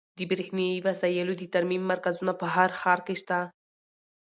د برښنایي وسایلو د ترمیم مرکزونه په هر ښار کې شته.